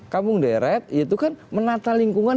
kampung deret itu kan menata lingkungan